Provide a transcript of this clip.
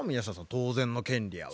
当然の権利やわ。